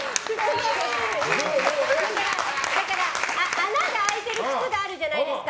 穴が開いてる靴があるじゃないですか。